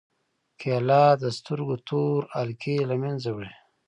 کېله د سترګو تور حلقې له منځه وړي.